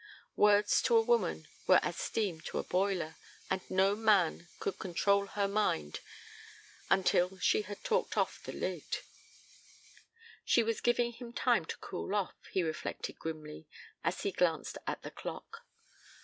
Words to a woman were as steam to a boiler, and no man could control her mind until she had talked off the lid. She was giving him time to cool off, he reflected grimly, as he glanced at the clock.